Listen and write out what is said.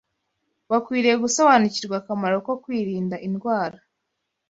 Bakwiriye gusobanukirwa akamaro ko kwirinda indwara